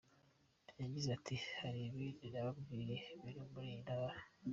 Yagize ati “Hari ibindi nababwiye biri muri iyi ntara.